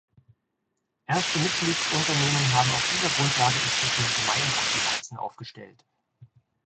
Erste Mitgliedsunternehmen haben auf dieser Grundlage inzwischen Gemeinwohl-Bilanzen aufgestellt.